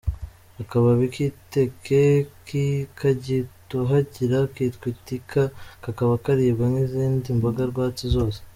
Akababi k’iteke kagitohagira kitwa itika, kakaba karibwa nk’izindi mboga rwatsi zose.